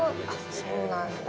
そうなんだ。